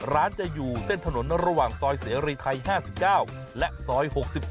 ร้านจะอยู่เส้นถนนระหว่างซอยเสรีไทย๕๙และซอย๖๗